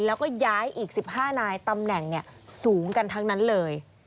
แล้วก็ย้ายอีก๑๕นายตำแหน่งสูงกันทั้งนั้นเลย